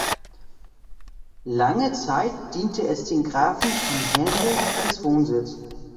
Lange Zeit diente es den Grafen von Hendl als Wohnsitz.